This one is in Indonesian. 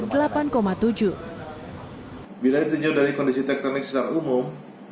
bila ditunjukkan dari kondisi teknik secara umum